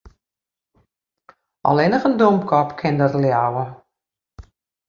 Allinnich in domkop kin dat leauwe.